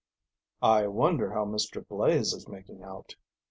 "I wonder how Mr. Blaze is making out?"